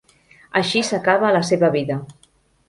Així s'acaba la seva vida.